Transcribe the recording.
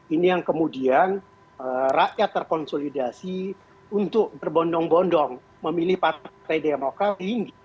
ini yang kemudian rakyat terkonsolidasi untuk berbondong bondong memilih partai demokrat